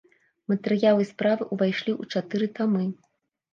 Матэрыялы справы ўвайшлі ў чатыры тамы.